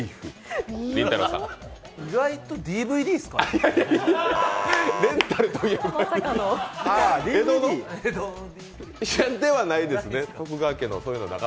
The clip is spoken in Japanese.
意外とＤＶＤですか？